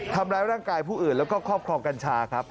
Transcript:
ทำร้ายร่างกายผู้อื่นแล้วก็ครอบครองกัญชาครับ